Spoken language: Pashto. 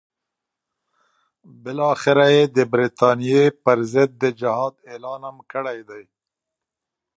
بالاخره یې د برټانیې پر ضد د جهاد اعلان هم کړی دی.